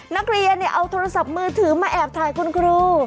นักเรียนเอาโทรศัพท์มือถือมาแอบถ่ายคุณครู